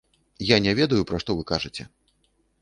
Я не ведаю, пра што вы кажаце.